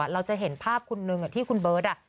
เราจะเห็นภาพคุณนึงที่คุณเบิร์ต